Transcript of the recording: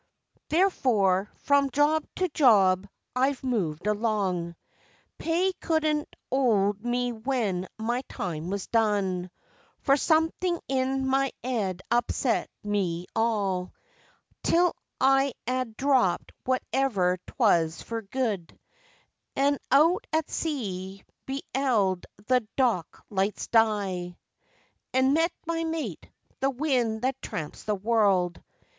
Therfore, from job to job I've moved along. Pay couldn't 'old me when my time was done, For something in my 'ead upset me all, Till I 'ad dropped whatever 'twas for good, An', out at sea, be'eld the dock lights die, An' met my mate the wind that tramps the world.